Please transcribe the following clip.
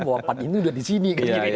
bahwa pan ini sudah di sini